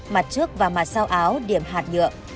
mặt trước và mặt sau áo điểm hạt nhựa